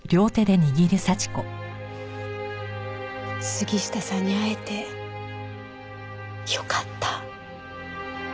杉下さんに会えてよかった。